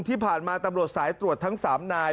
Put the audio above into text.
ที่ผ่านมาตำรวจสายตรวจทั้ง๓นาย